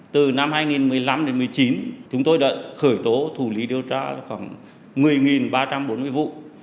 từ năm hai nghìn một mươi năm đến một mươi chín chúng tôi đã khởi tố thủ lý điều tra khoảng một mươi ba trăm bốn mươi vụ